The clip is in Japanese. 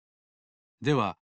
では